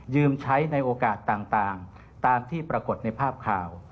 ใช้ในโอกาสต่างตามที่ปรากฏในภาพข่าว